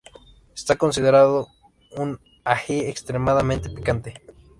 Esta considerado un ají extremadamente picante.